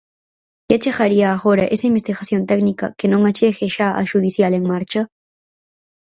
Que achegaría agora esa investigación técnica que non achegue xa a xudicial en marcha?